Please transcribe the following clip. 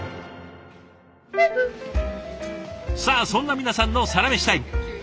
さあそんな皆さんのサラメシタイム。